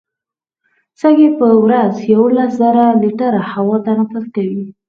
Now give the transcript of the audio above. سږي په ورځ یوولس زره لیټره هوا تنفس کوي.